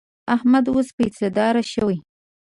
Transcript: احمد اوس پیسهدار شوی.